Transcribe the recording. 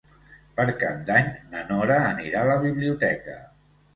Per Cap d'Any na Nora anirà a la biblioteca.